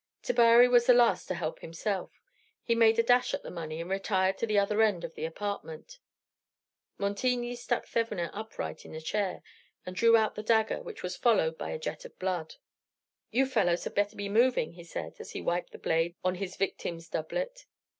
Tabary was the last to help himself; he made a dash at the money, and retired to the other end of the apartment. Montigny stuck Thevenin upright in the chair, and drew out the dagger, which was followed by a jet of blood. "You fellows had better be moving," he said, as he wiped the blade on his victim's doublet.